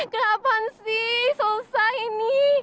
kenapa sih selesai ini